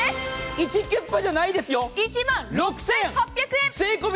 イチキュッパじゃないんですよ、１万６８００円。